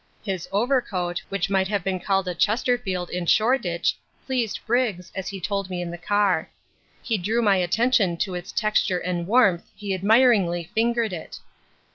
His overcoat, which might have been called a Chesterfield in Shoreditch, pleased Briggs, as he told me in the car: he drew my attention to its texture and warmth, he admiringly fingered it.